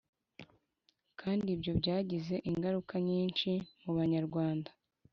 kandi ibyo byagize ingaruka nyinshi mu Banyarwanda.